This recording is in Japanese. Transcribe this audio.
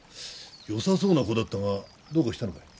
よさそうな子だったがどうかしたのかい？